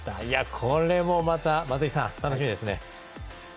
これも、松井さん楽しみですね。